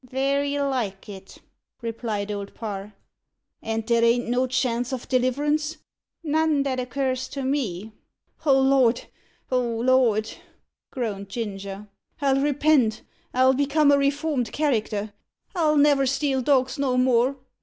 "Very like it," replied Old Parr. "And there ain't no chance o' deliverance?" "None that occurs to me." "O Lord! O Lord!" groaned Ginger; "I'll repent. I'll become a reformed character. I'll never steal dogs no more."